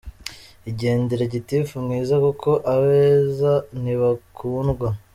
Igendere Gitifu mwiza, kuko abeza ntibakundwa.